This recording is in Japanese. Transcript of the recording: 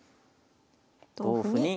同歩に。